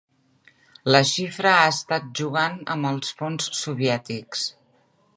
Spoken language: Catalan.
La Xifra ha estat jugant amb els fons soviètics.